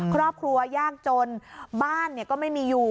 ครอบครัวยากจนบ้านก็ไม่มีอยู่